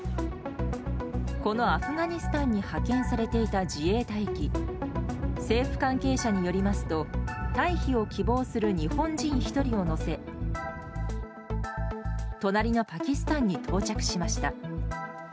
このアフガニスタンに派遣されていた自衛隊機政府関係者によりますと退避を希望する日本人１人を乗せ隣のパキスタンに到着しました。